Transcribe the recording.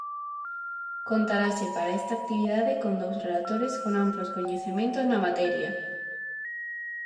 Contarase para esta actividade con dous relatores con amplos coñecementos na materia.